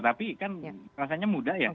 tapi kan rasanya mudah ya